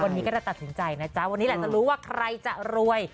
วันนี้ก็ได้ตัดสินใจนะจ๊ะวันนี้แหละจะรู้ว่าใครจะรวย